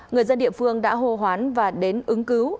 người dân địa phương đã hô hoán và đến ứng cứu